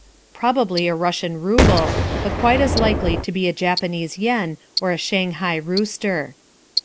Probably a Russian rouble, but quite as likely to be a Japanese yen or a Shanghai rooster.